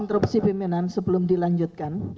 interupsi pimpinan sebelum dilanjutkan